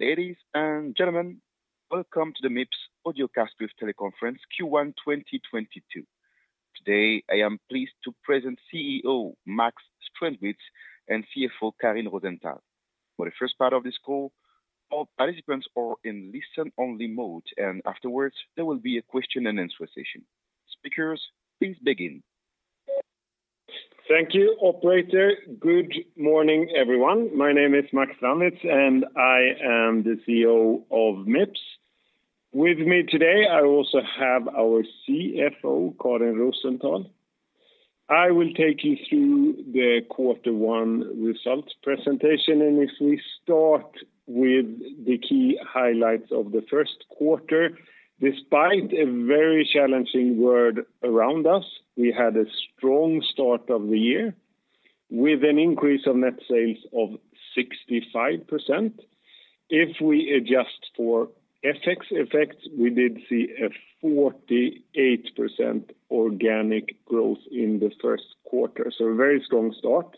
Ladies and gentlemen, welcome to the Mips Audiocast with Teleconference Q1 2022. Today, I am pleased to present CEO Max Strandwitz and CFO Karin Rosenthal. For the first part of this call, all participants are in listen-only mode, and afterwards, there will be a question and answer session. Speakers, please begin. Thank you, operator. Good morning, everyone. My name is Max Strandwitz, and I am the CEO of Mips. With me today, I also have our CFO, Karin Rosenthal. I will take you through the quarter one results presentation. If we start with the key highlights of the Q1. Despite a very challenging world around us, we had a strong start of the year with an increase of net sales of 65%. If we adjust for FX effects, we did see a 48% organic growth in the Q1. So a very strong start.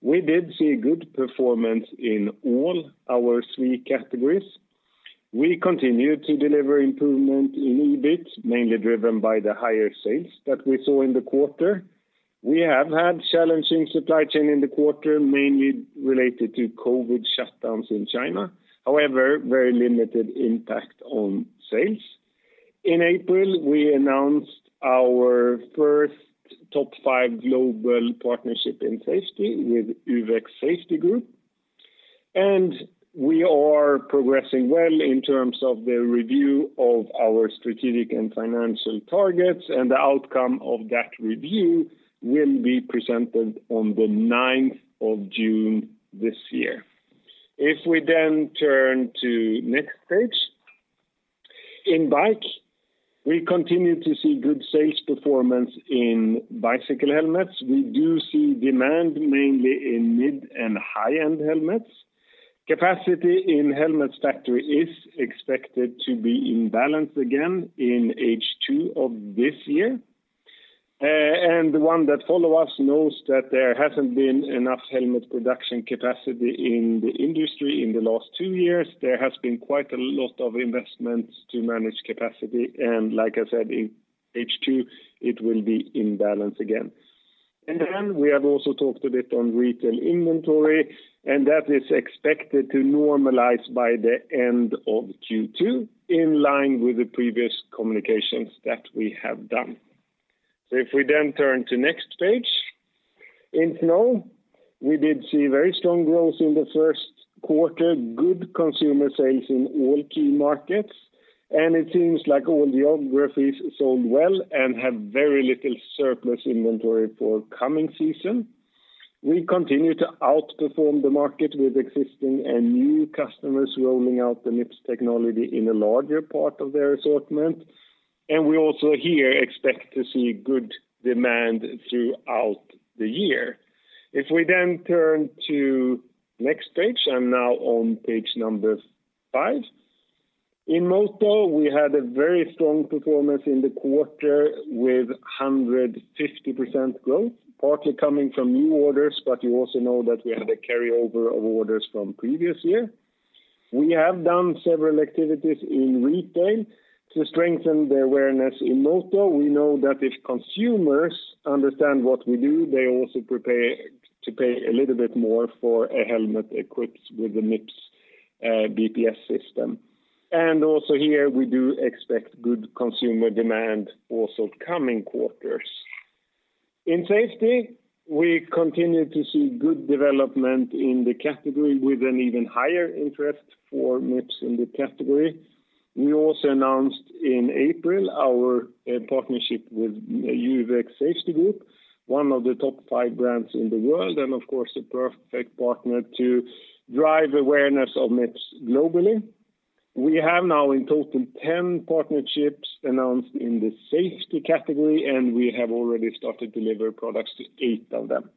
We did see a good performance in all our three categories. We continued to deliver improvement in EBIT, mainly driven by the higher-sales that we saw in the quarter. We have had challenging supply chain in the quarter, mainly related to COVID shutdowns in China. However, very limited impact on sales. In April, we announced our first top five global partnership in safety with uvex safety group. We are progressing well in terms of the review of our strategic and financial targets, and the outcome of that review will be presented on the ninth of June this year. If we then turn to next page. In bike, we continue to see good sales performance in bicycle helmets. We do see demand mainly in mid and high-end helmets. Capacity in helmets factory is expected to be in balance again in H2 of this year. The ones that follow us knows that there hasn't been enough helmet production capacity in the industry in the last two years. There has been quite a lot of investments to manage capacity, and like I said, in H2, it will be in balance again. We have also talked a bit on retail inventory, and that is expected to normalize by the end of Q2, in line with the previous communications that we have done. If we then turn to next page. In snow, we did see very strong growth in the Q1, good consumer sales in all key markets. It seems like all the geographies sold well and have very little surplus inventory for coming season. We continue to outperform the market with existing and new customers rolling out the Mips technology in a larger part of their assortment. We also here expect to see good demand throughout the year. If we then turn to next page, and now on page number five. In moto, we had a very strong performance in the quarter with 150% growth, partly coming from new orders, but you also know that we had a carryover of orders from previous year. We have done several activities in retail to strengthen the awareness in moto. We know that if consumers understand what we do, they also prepare to pay a little bit more for a helmet equipped with the Mips BPS system. Also here, we do expect good consumer demand also coming quarters. In safety, we continue to see good development in the category with an even higher-interest for Mips in the category. We also announced in April our partnership with uvex safety group, one of the top five brands in the world, and of course, a perfect partner to drive awareness of Mips globally. We have now in total 10 partnerships announced in the safety category, and we have already started to deliver products to 8 of them.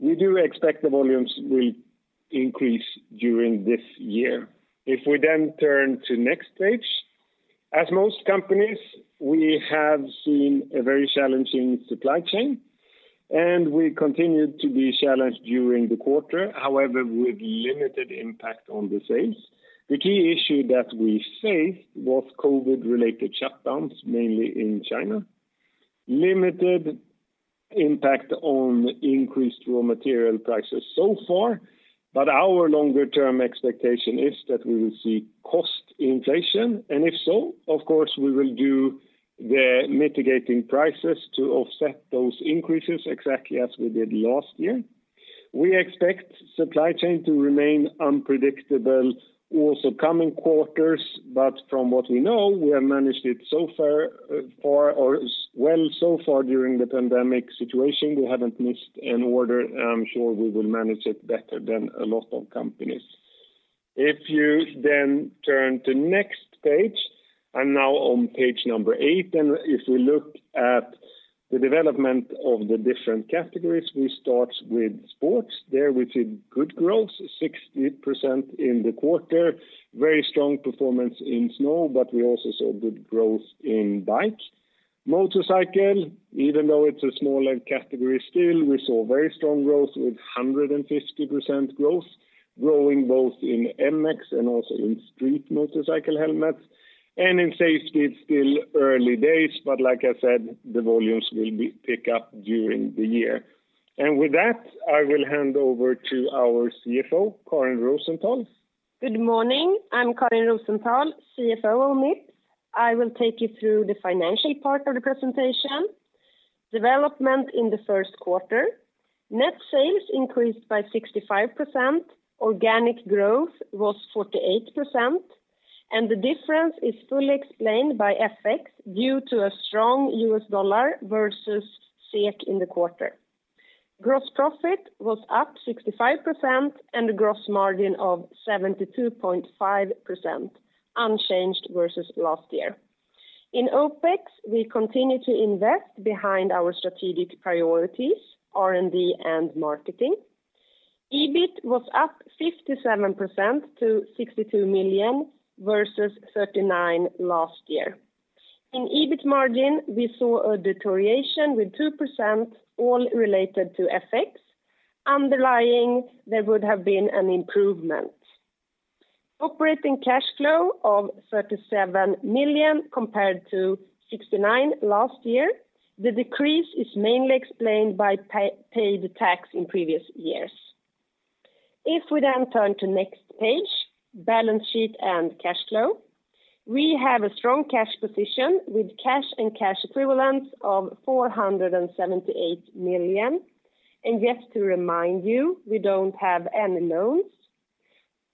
We do expect the volumes will increase during this year. If we then turn to next page. As most companies, we have seen a very challenging supply chain, and we continued to be challenged during the quarter, however, with limited impact on the sales. The key issue that we faced was COVID-related shutdowns, mainly in China. Limited impact on increased raw material prices so far, but our longer-term expectation is that we will see cost inflation. If so, of course, we will do the mitigating prices to offset those increases exactly as we did last year. We expect supply chain to remain unpredictable also coming quarters, but from what we know, we have managed it so far during the pandemic situation. We haven't missed an order. I'm sure we will manage it better than a lot of companies. If you then turn to next page, and now on page number 8. If we look at the development of the different categories, we start with sports. There, we see good growth, 60% in the quarter. Very strong performance in snow, but we also saw good growth in bike. Motorcycle, even though it's a smaller category still, we saw very strong growth with 150% growth, growing both in MX and also in street motorcycle helmets. In safety, it's still early days, but like I said, the volumes will pick up during the year. With that, I will hand over to our CFO, Karin Rosenthal. Good morning. I'm Karin Rosenthal, CFO of Mips. I will take you through the financial part of the presentation. Development in the Q1. Net sales increased by 65%. Organic growth was 48%, and the difference is fully explained by FX due to a strong US dollar versus SEK in the quarter. Gross profit was up 65% and a gross margin of 72.5% unchanged versus last year. In OPEX, we continue to invest behind our strategic priorities, R&D and marketing. EBIT was up 57% to 62 million versus 39 million last year. In EBIT margin, we saw a deterioration with 2% all related to FX. Underlying, there would have been an improvement. Operating cash flow of 37 million compared to 69 million last year. The decrease is mainly explained by paid tax in previous years. If we then turn to next page, balance sheet and cash flow. We have a strong cash position with cash and cash equivalents of 478 million. Just to remind you, we don't have any loans.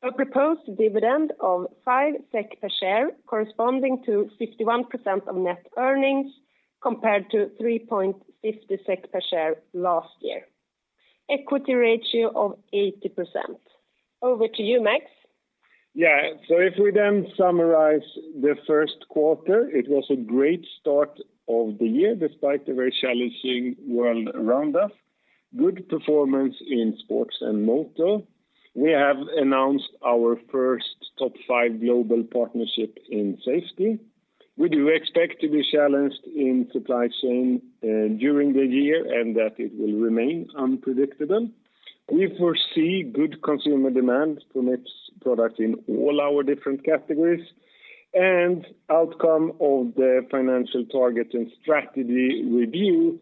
A proposed dividend of 5 SEK per share corresponding to 51% of net earnings compared to 3.50 SEK per share last year. Equity ratio of 80%. Over to you, Max. Yeah. If we then summarize the Q1, it was a great start of the year despite the very challenging world around us. Good performance in sports and motor. We have announced our first top five global partnership in safety. We do expect to be challenged in supply chain during the year and that it will remain unpredictable. We foresee good consumer demand for Mips' products in all our different categories, and outcome of the financial target and strategy review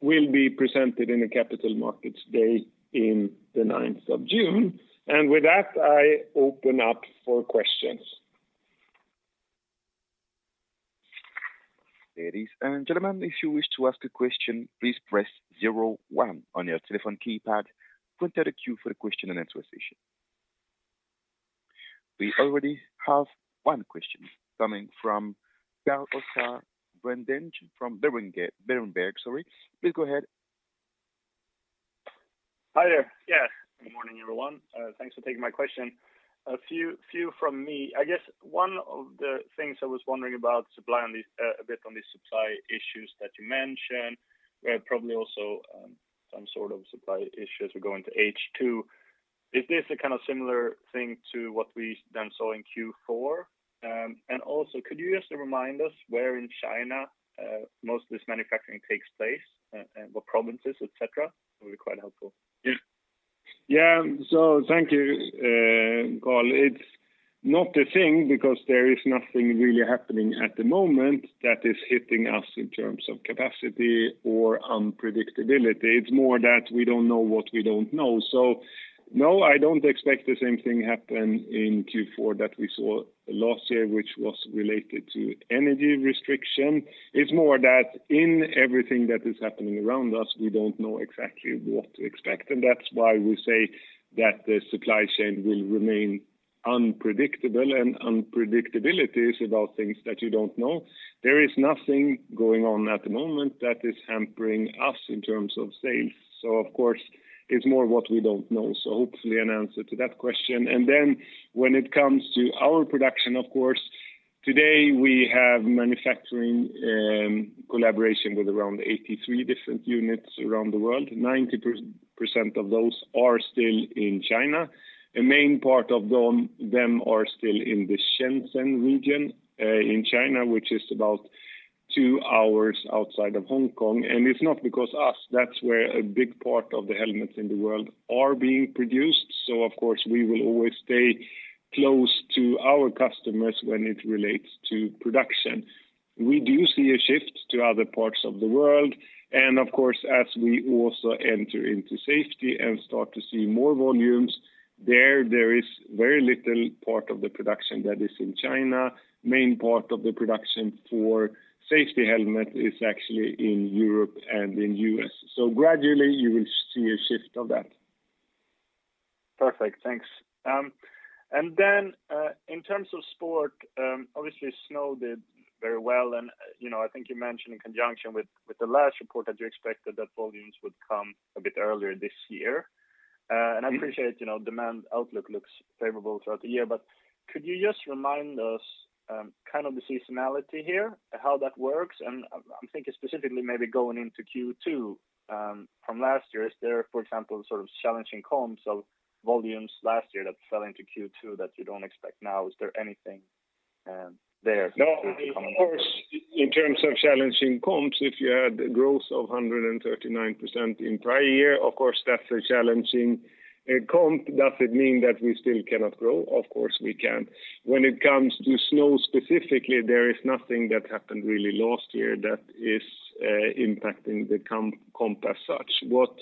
will be presented in a Capital Markets Day in the ninth of June. With that, I open up for questions. Ladies and gentlemen, if you wish to ask a question, please press zero one on your telephone keypad to enter the queue for the question and answer session. We already have one question coming from Carl-Oscar Bredengen from Berenberg. Sorry. Please go ahead. Hi there. Yes, good morning, everyone. Thanks for taking my question. A few from me. I guess one of the things I was wondering about supply on these, a bit on these supply issues that you mentioned, where probably also some sort of supply issues are going to H2. Is this a kind of similar thing to what we then saw in Q4? Also, could you just remind us where in China most of this manufacturing takes place, and what provinces, et cetera? That would be quite helpful. Yeah. Thank you, Carl. It's not a thing because there is nothing really happening at the moment that is hitting us in terms of capacity or unpredictability. It's more that we don't know what we don't know. No, I don't expect the same thing happen in Q4 that we saw last year, which was related to energy restriction. It's more that in everything that is happening around us, we don't know exactly what to expect, and that's why we say that the supply chain will remain unpredictable, and unpredictability is about things that you don't know. There is nothing going on at the moment that is hampering us in terms of sales. Of course, it's more what we don't know. Hopefully an answer to that question. When it comes to our production, of course, today we have manufacturing collaboration with around 83 different units around the world. 90% of those are still in China. A main part of them are still in the Shenzhen region in China, which is about two hours outside of Hong Kong. It's not because of us, that's where a big part of the helmets in the world are being produced. Of course, we will always stay close to our customers when it relates to production. We do see a shift to other parts of the world. Of course, as we also enter into safety and start to see more volumes there is very little part of the production that is in China. Main part of the production for safety helmet is actually in Europe and in US. Gradually, you will see a shift of that. Perfect. Thanks. In terms of sport, obviously, snow did very well. You know, I think you mentioned in conjunction with the last report that you expected that volumes would come a bit earlier this year. I appreciate, you know, demand outlook looks favorable throughout the year. Could you just remind us, kind of the seasonality here, how that works? I'm thinking specifically maybe going into Q2 from last year. Is there, for example, sort of challenging comps of volumes last year that fell into Q2 that you don't expect now? Is there anything? There No, of course, in terms of challenging comps, if you had growth of 139% in prior year, of course, that's a challenging comp. Does it mean that we still cannot grow? Of course, we can. When it comes to snow specifically, there is nothing that happened really last year that is impacting the comp as such. What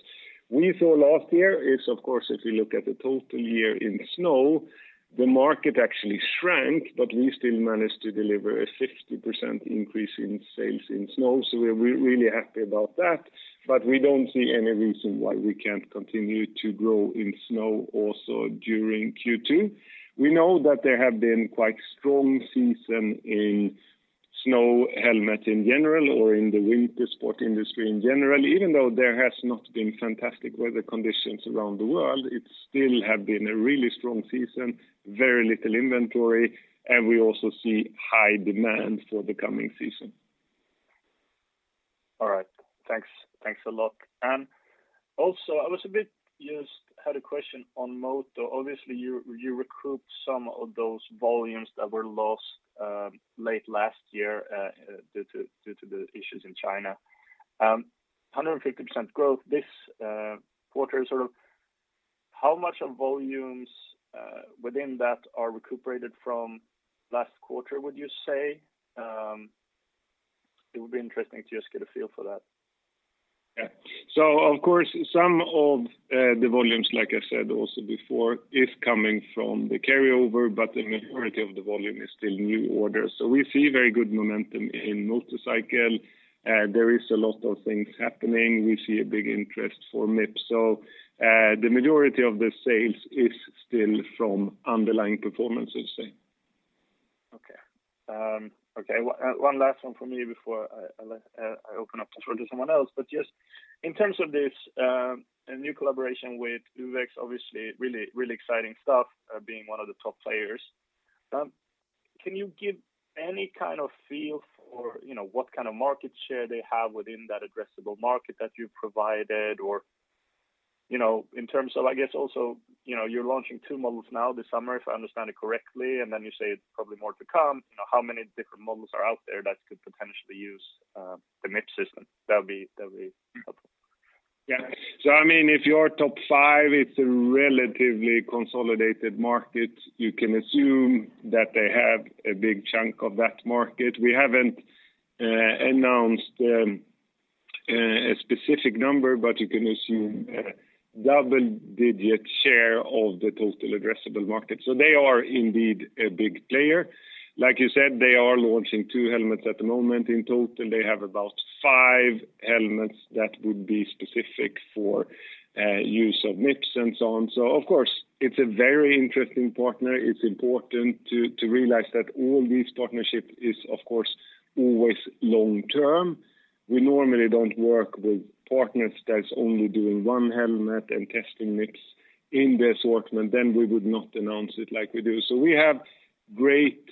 we saw last year is, of course, if you look at the total year in snow, the market actually shrank, but we still managed to deliver a 50% increase in sales in snow. We're really happy about that. But we don't see any reason why we can't continue to grow in snow also during Q2. We know that there have been quite strong season in snow helmet in general or in the winter sport industry in general, even though there has not been fantastic weather conditions around the world. It still have been a really strong season, very little inventory, and we also see high-demand for the coming season. All right. Thanks. Thanks a lot. Just had a question on Moto. Obviously, you recruit some of those volumes that were lost late last year due to the issues in China. 150% growth this quarter. Sort of how much of volumes within that are recuperated from last quarter, would you say? It would be interesting to just get a feel for that. Yeah. Of course, some of the volumes, like I said also before, is coming from the carryover, but the majority of the volume is still new orders. We see very good momentum in motorcycle. There is a lot of things happening. We see a big interest for Mips. The majority of the sales is still from underlying performance, I'd say. Okay. One last one for me before I open up the floor to someone else. Just in terms of this, a new collaboration with uvex, obviously, really, really exciting stuff, being one of the top-players. Can you give any kind of feel for, you know, what kind of market share they have within that addressable market that you provided? Or, you know, in terms of, I guess also, you know, you're launching two models now this summer, if I understand it correctly, and then you say it's probably more to come. You know, how many different models are out there that could potentially use the Mips system? That'd be helpful. Yeah. I mean, if you're top five, it's a relatively consolidated market. You can assume that they have a big chunk of that market. We haven't announced a specific number, but you can assume a double-digit share of the total addressable market. They are indeed a big player. Like you said, they are launching two helmets at the moment. In total, they have about five helmets that would be specific for use of Mips and so on. Of course, it's a very interesting partner. It's important to realize that all these partnership is, of course, always long-term. We normally don't work with partners that's only doing one helmet and testing Mips in the assortment, then we would not announce it like we do. We have great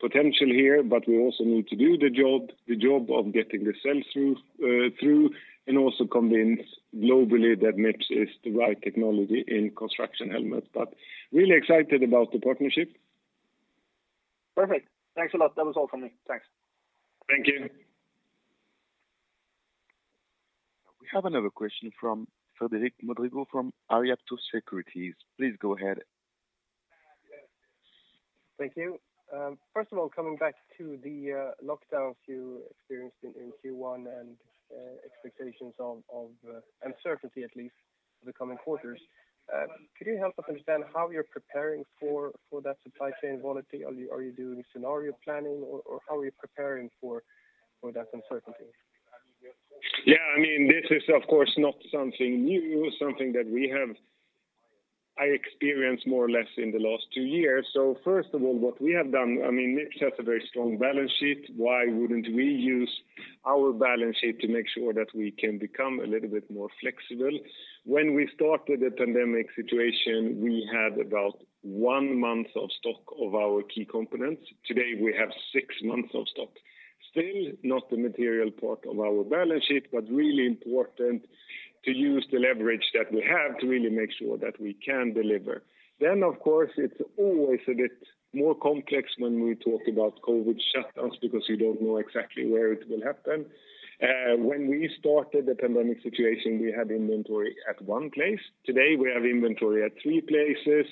potential here, but we also need to do the job of getting the sell-through through, and also convince globally that Mips is the right technology in construction helmets. Really excited about the partnership. Perfect. Thanks a lot. That was all from me. Thanks. Thank you. We have another question from Frederic Modrigo from Erik Penser Bank. Please go ahead. Thank you. First of all, coming back to the lockdowns you experienced in Q1 and expectations of uncertainty, at least for the coming quarters, could you help us understand how you're preparing for that supply chain volatility? Are you doing scenario planning or how are you preparing for that uncertainty? Yeah, I mean, this is of course not something new. It's something that we have experienced more or less in the last two years. First of all, what we have done, I mean, Mips has a very strong balance sheet. Why wouldn't we use our balance sheet to make sure that we can become a little bit more flexible? When we started the pandemic situation, we had about one month of stock of our key components. Today, we have six months of stock. Still not a material part of our balance sheet, but really important to use the leverage that we have to really make sure that we can deliver. Of course, it's always a bit more complex when we talk about COVID shutdowns because you don't know exactly where it will happen. When we started the pandemic situation, we had inventory at one place. Today, we have inventory at three places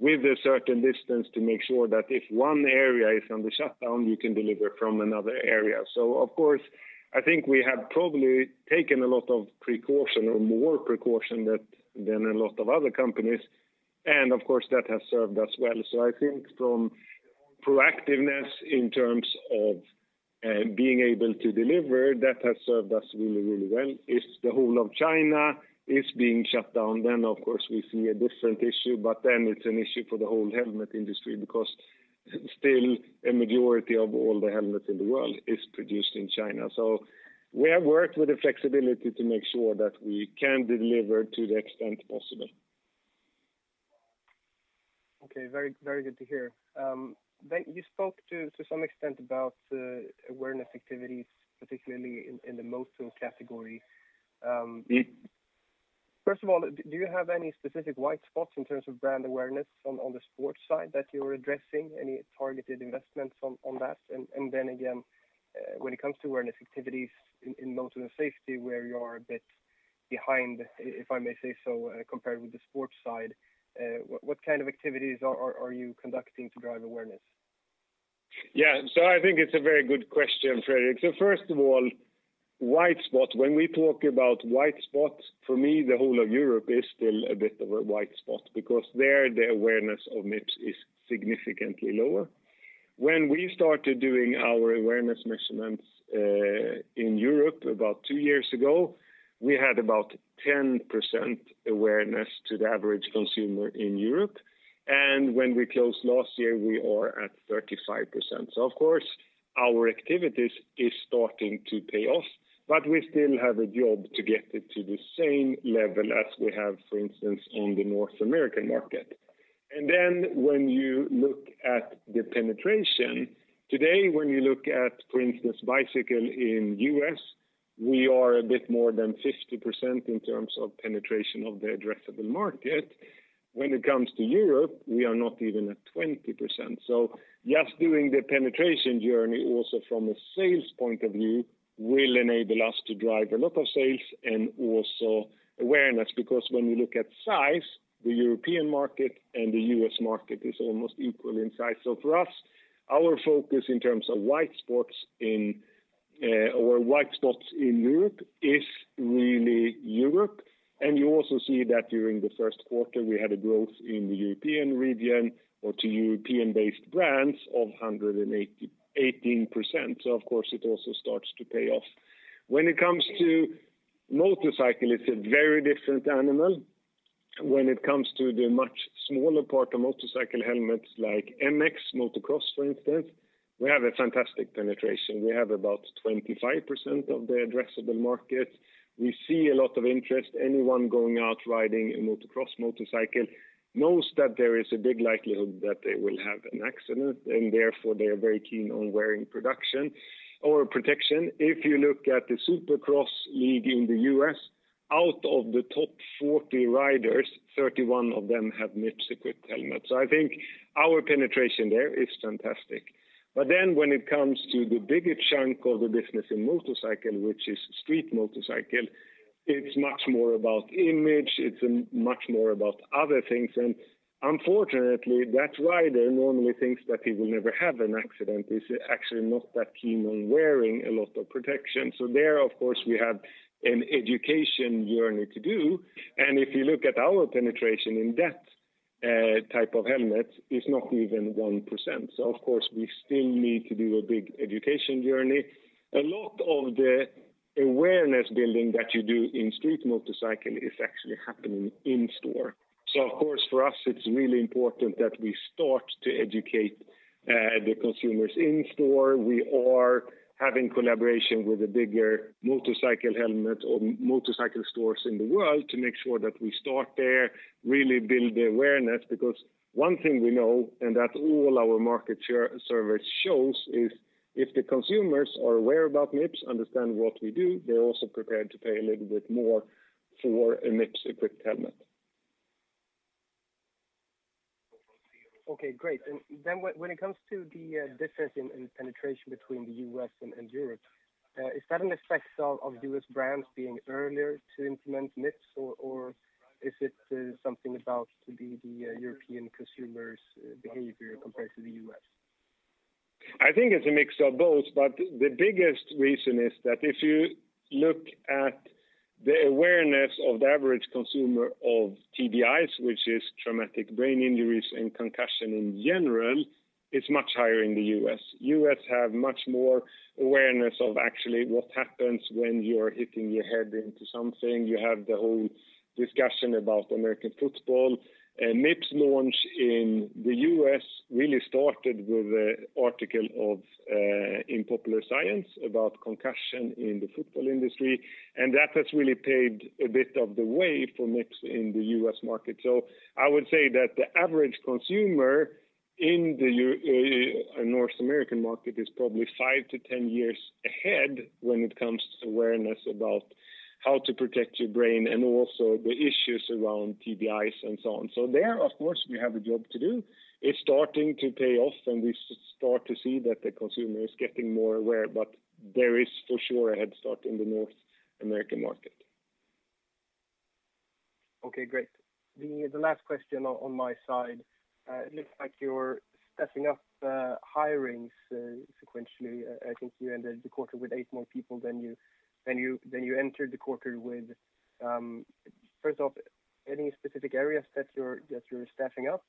with a certain distance to make sure that if one area is under shutdown, we can deliver from another area. Of course, I think we have probably taken a lot of precaution or more precaution that than a lot of other companies. Of course, that has served us well. I think from proactiveness in terms of, being able to deliver, that has served us really, really well. If the whole of China is being shut down, then of course we see a different issue, but then it's an issue for the whole helmet industry because still a majority of all the helmets in the world is produced in China. We have worked with the flexibility to make sure that we can deliver to the extent possible. Okay. Very, very good to hear. You spoke to some extent about awareness activities, particularly in the Moto category. First of all, do you have any specific white spots in terms of brand awareness on the sports side that you're addressing, any targeted investments on that? When it comes to awareness activities in motor and safety where you are a bit behind, if I may say so, compared with the sports side, what kind of activities are you conducting to drive awareness? Yeah. I think it's a very good question, Frederick. First of all, white spots. When we talk about white spots, for me, the whole of Europe is still a bit of a white spot because there the awareness of Mips is significantly lower. When we started doing our awareness measurements in Europe about 2 years ago, we had about 10% awareness to the average consumer in Europe. When we closed last year, we are at 35%. Of course, our activities is starting to pay off, but we still have a job to get it to the same level as we have, for instance, on the North American market. Then when you look at the penetration, today, when you look at, for instance, bicycle in US., we are a bit more than 50% in terms of penetration of the addressable market. When it comes to Europe, we are not even at 20%. Just doing the penetration journey also from a sales point of view will enable us to drive a lot of sales and also awareness. Because when you look at size, the European market and the US. market is almost equal in size. For us, our focus in terms of white spots in or white spots in Europe is really Europe. You also see that during the Q1 we had a growth in the European region or to European-based brands of 18%. Of course it also starts to pay off. When it comes to motorcycle, it's a very different animal. When it comes to the much smaller part of motorcycle helmets like MX, motocross for instance, we have a fantastic penetration. We have about 25% of the addressable market. We see a lot of interest. Anyone going out riding a motocross motorcycle knows that there is a big likelihood that they will have an accident, and therefore they are very keen on wearing production or protection. If you look at the Supercross league in the US., out of the top 40 riders, 31 of them have Mips-equipped helmets. I think our penetration there is fantastic. When it comes to the biggest chunk of the business in motorcycle, which is street motorcycle, it's much more about image, it's much more about other things. Unfortunately, that rider normally thinks that he will never have an accident, is actually not that keen on wearing a lot of protection. There of course, we have an education journey to do. If you look at our penetration in that type of helmet, it's not even 1%. Of course, we still need to do a big education journey. A lot of the awareness building that you do in street motorcycle is actually happening in store. Of course for us it's really important that we start to educate the consumers in store. We are having collaboration with the bigger motorcycle helmet or motorcycle stores in the world to make sure that we start there, really build the awareness. Because one thing we know, and that all our market share surveys shows, is if the consumers are aware about Mips, understand what we do, they're also prepared to pay a little bit more for a Mips-equipped helmet. Okay, great. When it comes to the difference in penetration between the US. and Europe, is that an effect of US. brands being earlier to implement Mips or is it something about the European consumers behavior compared to the US.? I think it's a mix of both, but the biggest reason is that if you look at the awareness of the average consumer of TBIs, which is traumatic brain injuries, and concussion in general, it's much higher in the US. The US. has much more awareness of actually what happens when you are hitting your head into something. You have the whole discussion about American football. Mips launch in the US. really started with an article in Popular Science about concussion in the football industry, and that has really paved a bit of the way for Mips in the US. market. I would say that the average consumer in the North American market is probably 5-10 years ahead when it comes to awareness about how to protect your brain and also the issues around TBIs and so on. There of course we have a job to do. It's starting to pay off and we start to see that the consumer is getting more aware, but there is for sure a head start in the North American market. Okay, great. The last question on my side. It looks like you're staffing up hirings sequentially. I think you ended the quarter with 8 more people than you entered the quarter with. First off, any specific areas that you're staffing up?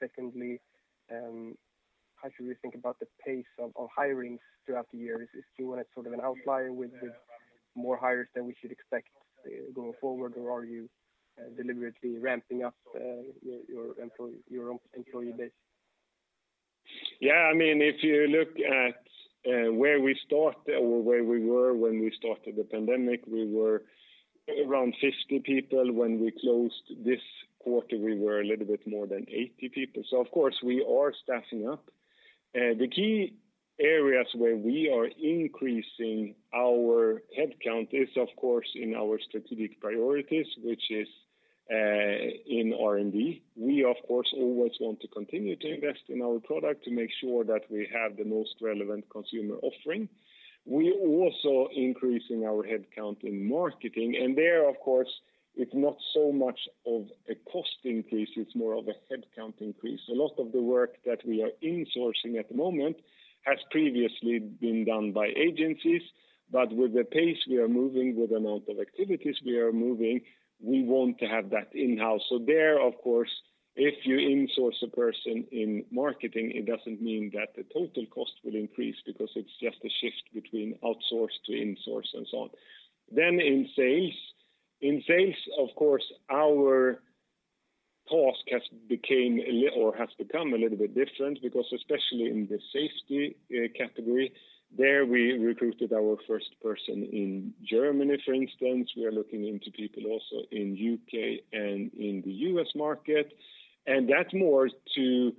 Secondly, how should we think about the pace of hirings throughout the year? Is Q1 a sort of an outlier with more hires than we should expect going forward? Or are you deliberately ramping up your employee base? Yeah. I mean, if you look at where we start or where we were when we started the pandemic, we were around 50 people. When we closed this quarter, we were a little bit more than 80 people. Of course we are staffing up. The key areas where we are increasing our headcount is of course in our strategic priorities, which is in R&D. We of course always want to continue to invest in our product to make sure that we have the most relevant consumer offering. We're also increasing our headcount in marketing, and there of course it's not so much of a cost increase, it's more of a headcount increase. A lot of the work that we are insourcing at the moment has previously been done by agencies, but with the pace we are moving, with the amount of activities we are moving, we want to have that in-house. There of course, if you insource a person in marketing, it doesn't mean that the total cost will increase because it's just a shift between outsource to insource and so on. In sales. In sales of course our task has become a little bit different because especially in the safety category, there we recruited our first person in Germany, for instance. We are looking into people also in UK and in the US market. That's more to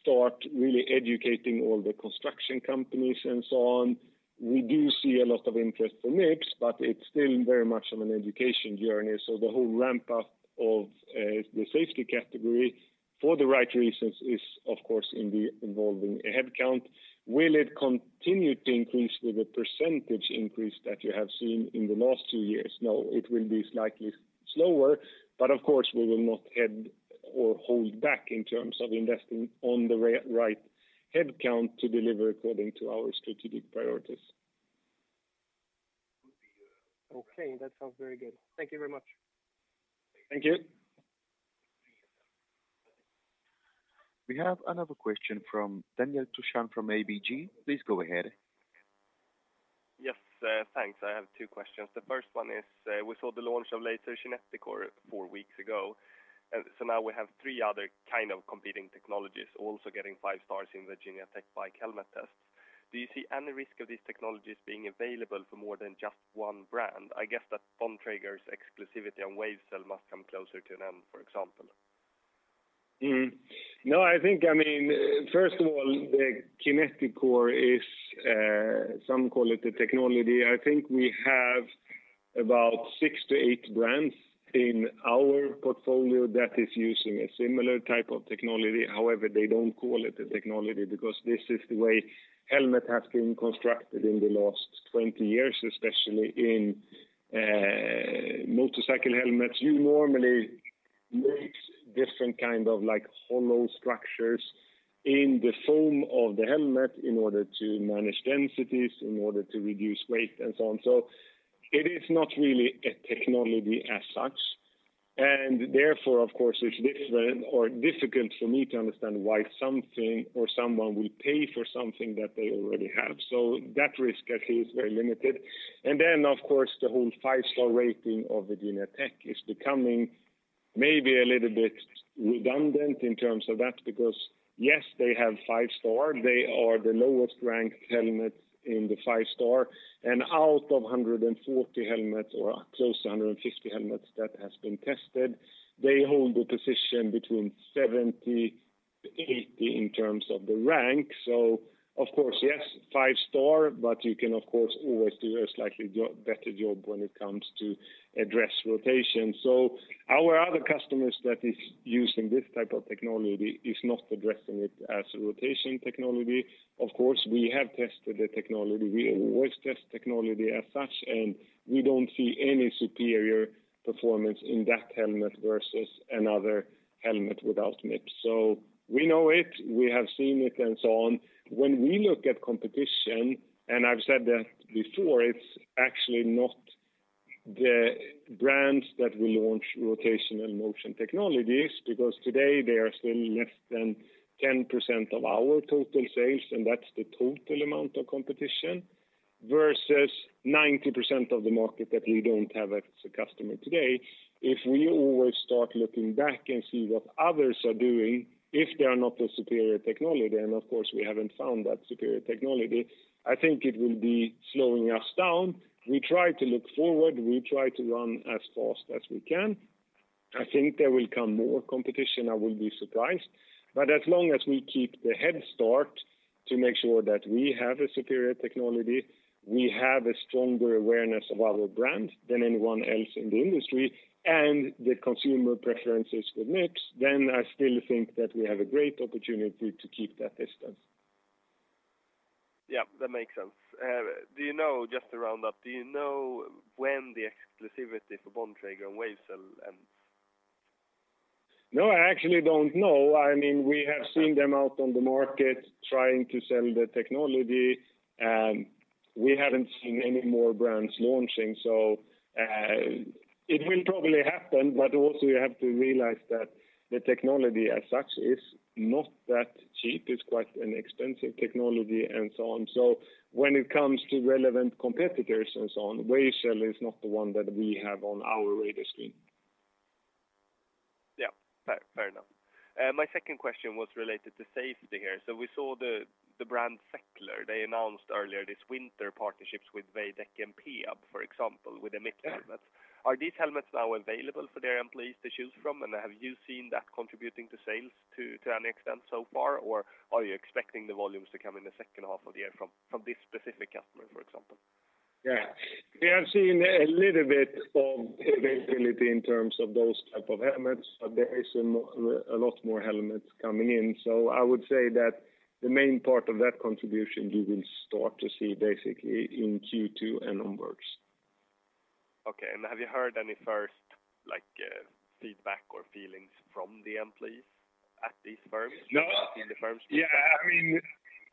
start really educating all the construction companies and so on. We do see a lot of interest for Mips, but it's still very much of an education journey. The whole ramp up of the safety category for the right reasons is of course involving a headcount. Will it continue to increase with the percentage increase that you have seen in the last two years? No, it will be slightly slower, but of course we will not hold back in terms of investing in the right headcount to deliver according to our strategic priorities. Okay, that sounds very good. Thank you very much. Thank you. We have another question from Daniel Thorsson from ABG. Please go ahead. Yes, thanks. I have two questions. The first one is, we saw the launch of Lazer's KinetiCore four weeks ago. Now we have three other kind of competing technologies also getting five stars in Virginia Tech bike helmet tests. Do you see any risk of these technologies being available for more than just one brand? I guess that Bontrager's exclusivity on WaveCel must come closer to an end, for example. No, I think, I mean, first of all, the KinetiCore is, some call it a technology. I think we have about 6-8 brands in our portfolio that is using a similar type of technology. However, they don't call it a technology because this is the way helmet has been constructed in the last 20 years, especially in motorcycle helmets. You normally make different kind of like hollow structures in the foam of the helmet in order to manage densities, in order to reduce weight, and so on. It is not really a technology as such. Therefore, of course, it's different or difficult for me to understand why something or someone will pay for something that they already have. That risk I think is very limited. The whole five-star rating of Virginia Tech is becoming maybe a little bit redundant in terms of that, because yes, they have five-star. They are the lowest ranked helmet in the five-star. Out of 140 helmets or close to 150 helmets that has been tested, they hold the position between 70-80 in terms of the rank. Of course, yes, five-star, but you can of course always do a slightly better job when it comes to address rotation. Our other customers that is using this type of technology is not addressing it as a rotation technology. Of course, we have tested the technology. We always test technology as such, and we don't see any superior performance in that helmet versus another helmet without Mips. We know it, we have seen it, and so on. When we look at competition, and I've said that before, it's actually not the brands that will launch rotation and motion technologies, because today they are still less than 10% of our total sales, and that's the total amount of competition, versus 90% of the market that we don't have as a customer today. If we always start looking back and see what others are doing, if they are not a superior technology, and of course, we haven't found that superior technology, I think it will be slowing us down. We try to look forward. We try to run as fast as we can. I think there will come more competition. I will be surprised. As long as we keep the head start to make sure that we have a superior technology, we have a stronger awareness of our brand than anyone else in the industry, and the consumer preference is with Mips, then I still think that we have a great opportunity to keep that distance. Yeah, that makes sense. Do you know, just to round up, do you know when the exclusivity for Bontrager and WaveCel ends? No, I actually don't know. I mean, we have seen them out on the market trying to sell the technology. We haven't seen any more brands launching. It will probably happen. Also you have to realize that the technology as such is not that cheap. It's quite an expensive technology and so on. When it comes to relevant competitors and so on, WaveCel is not the one that we have on our radar screen. Yeah, fair enough. My second question was related to safety here. We saw the brand Centurion. They announced earlier this winter partnerships with Veidekke and Peab, for example, with the Mips helmets. Are these helmets now available for their employees to choose from? Have you seen that contributing to sales to any extent so far? Are you expecting the volumes to come in the second half of the year from this specific customer, for example? Yeah. We have seen a little bit of availability in terms of those type of helmets, but there is a lot more helmets coming in. I would say that the main part of that contribution you will start to see basically in Q2 and onwards. Okay. Have you heard any first, like, feedback or feelings from the employees at these firms? No. In the firms- Yeah. I mean,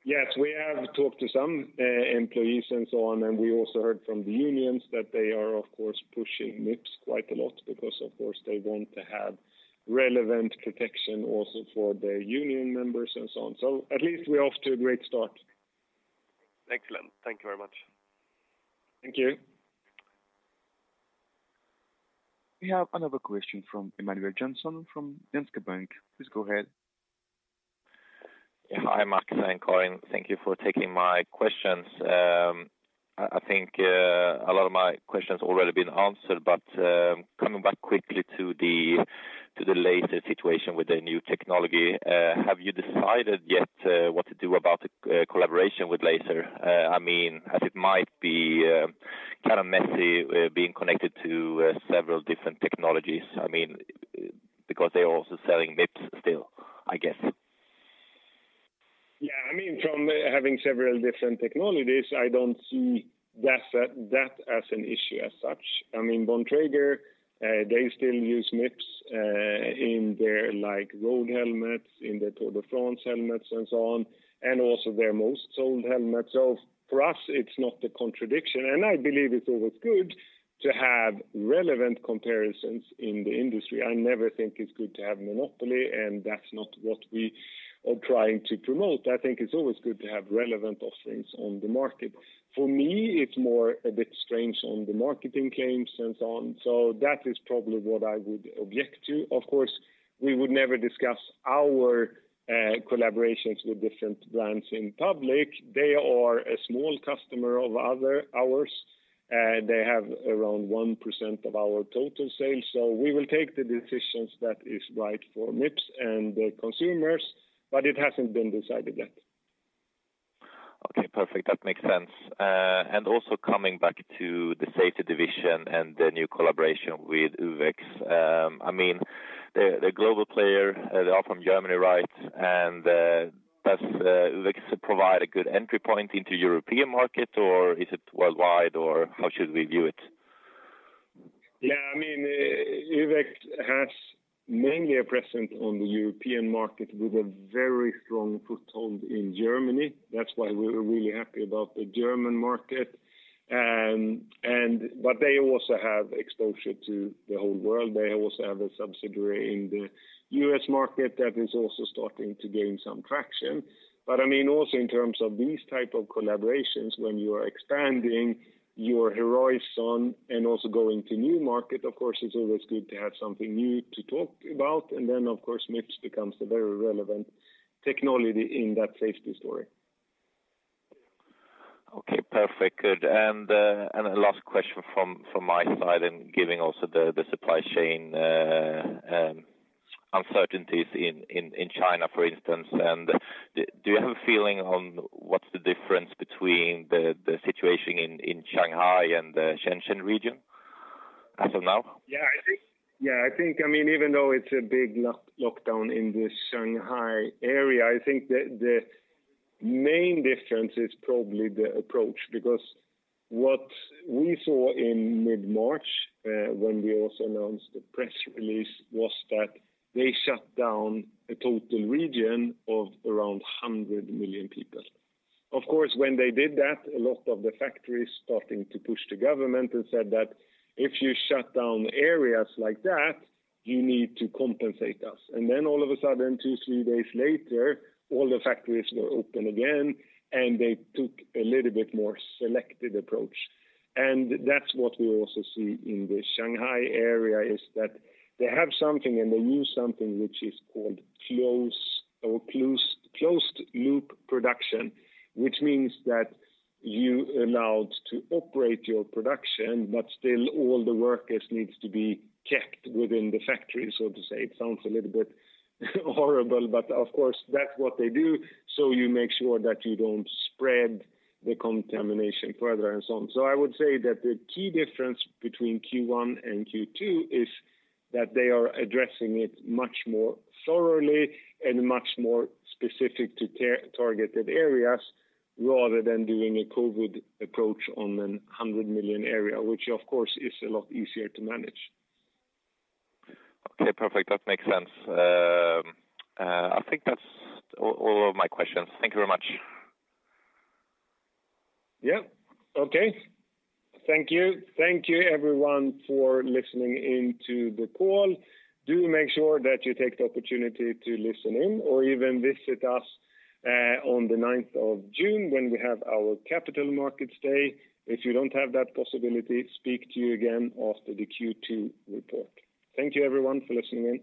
yes, we have talked to some employees and so on, and we also heard from the unions that they are, of course, pushing Mips quite a lot because, of course, they want to have relevant protection also for their union members and so on. At least we're off to a great start. Excellent. Thank you very much. Thank you. We have another question from Emanuel Jansson from Danske Bank. Please go ahead. Yeah. Hi, Max and Enkvist. Thank you for taking my questions. I think a lot of my questions already been answered, but coming back quickly to the Lazer situation with the new technology, have you decided yet what to do about the collaboration with Lazer? I mean, as it might be kind of messy being connected to several different technologies. I mean, because they are also selling Mips still, I guess. Yeah. I mean, from having several different technologies, I don't see that as an issue as such. I mean, Bontrager, they still use Mips in their, like, road helmets, in their Tour de France helmets and so on, and also their most sold helmets. For us, it's not a contradiction, and I believe it's always good to have relevant comparisons in the industry. I never think it's good to have monopoly, and that's not what we are trying to promote. I think it's always good to have relevant offerings on the market. For me, it's more a bit strange on the marketing claims and so on. That is probably what I would object to. Of course, we would never discuss our collaborations with different brands in public. They are a small customer of ours. They have around 1% of our total sales. We will take the decisions that is right for Mips and the consumers, but it hasn't been decided yet. Okay, perfect. That makes sense. Coming back to the safety division and the new collaboration with uvex. I mean, they're global player, they are from Germany, right? Does uvex provide a good entry point into European market, or is it worldwide, or how should we view it? Yeah. I mean, uvex has mainly a presence on the European market with a very strong foothold in Germany. That's why we're really happy about the German market. They also have exposure to the whole world. They also have a subsidiary in the US. market that is also starting to gain some traction. I mean, also in terms of these type of collaborations, when you are expanding your horizon and also going to new market, of course, it's always good to have something new to talk about. Of course, Mips becomes a very relevant technology in that safety story. Okay, perfect. Good. A last question from my side and giving also the supply chain uncertainties in China, for instance. Do you have a feeling on what's the difference between the situation in Shanghai and the Shenzhen region as of now? Yeah, I think, I mean, even though it's a big lockdown in the Shanghai area, I think the main difference is probably the approach. Because what we saw in mid-March, when we also announced the press release, was that they shut down a total region of around 100 million people. Of course, when they did that, a lot of the factories starting to push the government and said that, "If you shut down areas like that, you need to compensate us." Then all of a sudden, 2, 3 days later, all the factories were open again, and they took a little bit more selective approach. That's what we also see in the Shanghai area, is that they have something and they use something which is called closed-loop production, which means that you're allowed to operate your production, but still all the workers needs to be kept within the factory, so to say. It sounds a little bit horrible, but of course, that's what they do. You make sure that you don't spread the contamination further and so on. I would say that the key difference between Q1 and Q2 is that they are addressing it much more thoroughly and much more specific to targeted areas, rather than doing a COVID approach on a 100 million area, which of course is a lot easier to manage. Okay, perfect. That makes sense. I think that's all of my questions. Thank you very much. Yeah. Okay. Thank you. Thank you everyone for listening in to the call. Do make sure that you take the opportunity to listen in or even visit us on the ninth of June when we have our Capital Markets Day. If you don't have that possibility, speak to you again after the Q2 report. Thank you everyone for listening in.